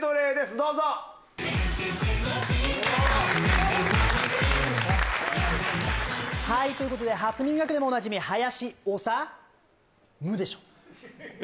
どうぞはいということで「初耳学」でもおなじみ林おさむでしょええ